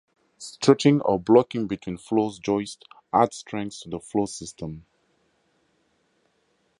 Strutting or blocking between floor joists adds strength to the floor system.